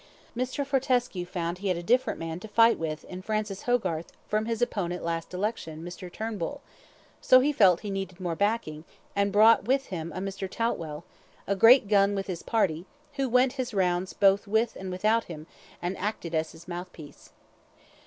Mr. Fortescue found he had a different man to fight with in Francis Hogarth from his opponent last election, Mr. Turnbull; so he felt he needed more backing, and brought with him a Mr. Toutwell, a great gun with his party, who went his rounds both with and without him, and acted as his mouthpiece.